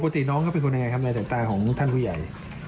ปกติน้องเป็นคนยังไงครับแต่ท่านผู้ใหญ่